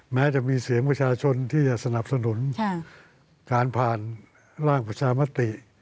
แม้จะมีเสียงประชาชนที่จะสนับสนุนการผ่านร่างประชามติ